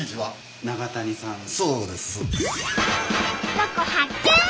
ロコ発見！